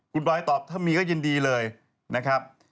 คุณบอยตอบถ้ามีก็ยินดีเลยนะครับ